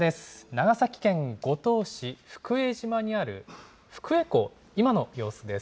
長崎県五島市、福江島にある福江港、今の様子です。